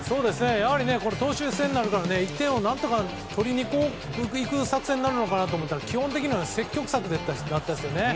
やはり投手戦になるから１点を何とか取りに行く作戦になるのかなと思ったら積極策でしたね。